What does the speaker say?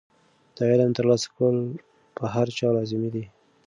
د علم ترلاسه کول په هر چا لازمي دي.